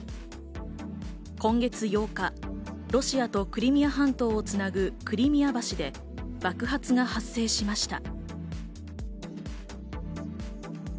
今月８日、ロシアとクリミア半島をつなぐクリミア橋で爆発が発生しました。